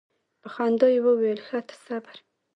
په خندا یې وویل ښه ته صبر.